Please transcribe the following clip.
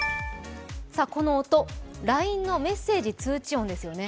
この音、ＬＩＮＥのメッセージ通知音ですよね。